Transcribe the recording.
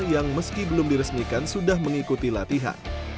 yang meski belum diresmikan sudah mengikuti latihan